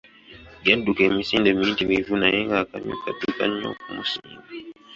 Yadduka emisinde miyitirivu naye ng'akamyu kadduka nnyo okumusinga.